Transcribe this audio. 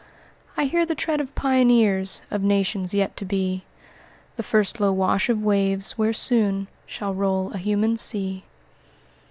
"I hear the tread of pioneers Of nations yet to be; The first low wash of waves, where soon Shall roll a human sea."